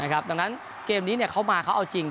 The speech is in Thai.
ดังนั้นเกมนี้เขามาเขาเอาจริง